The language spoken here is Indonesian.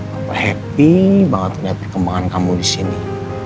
papa happy banget liat perkembangan kamu disini